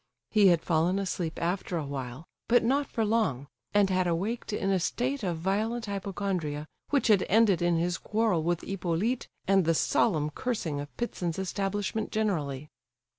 He had fallen asleep after a while, but not for long, and had awaked in a state of violent hypochondria which had ended in his quarrel with Hippolyte, and the solemn cursing of Ptitsin's establishment generally.